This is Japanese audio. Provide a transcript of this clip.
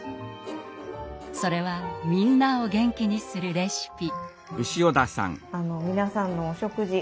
それはみんなを元気にするレシピ。